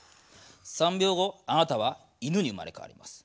３秒後あなたは犬に生まれ変わります。